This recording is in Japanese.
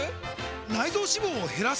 内臓脂肪を減らす！？